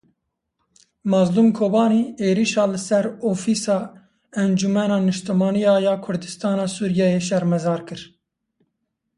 Mezlûm Kobanî êrişa li ser ofîsa Encumena Niştimanî ya Kurdistana Sûriyeyê şermezar kir.